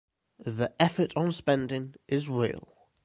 The effort on spending is real.